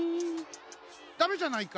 ダメじゃないか！